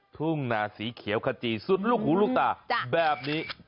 ทุ่งนาสีเขียวขจีสุดลูกหูลูกตาแบบนี้